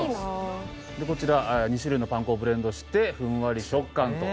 こちら２種類のパン粉をブレンドしてふんわり食感と。